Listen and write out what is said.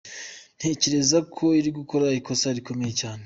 Ntekereza ko iri gukora ikosa rikomeye cyane.